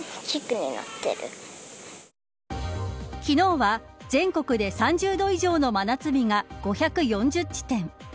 昨日は全国で３０度以上の真夏日が５４０地点。